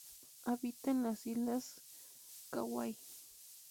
Habita en las islas Kauai.